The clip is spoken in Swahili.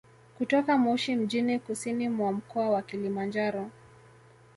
Kutoka Moshi mjini kusini mwa mkoa wa Kilimanjaro